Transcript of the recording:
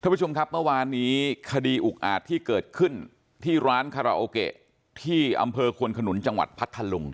ผู้ชมครับเมื่อวานนี้คดีอุกอาจที่เกิดขึ้นที่ร้านคาราโอเกะที่อำเภอควนขนุนจังหวัดพัทธลุง